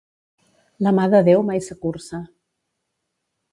La mà de Déu mai s'acurça.